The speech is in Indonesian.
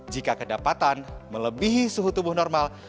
jika kedapatan melebihi suhu tubuh normal